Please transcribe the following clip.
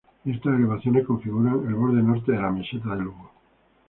Estas elevaciones configuran el borde norte de la meseta de Lugo.